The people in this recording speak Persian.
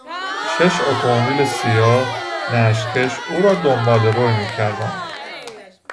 شش اتومبیل سیاه، نعش کش او را دنبالروی میکردند.